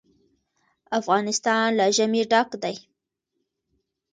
افغانستان له ژمی ډک دی.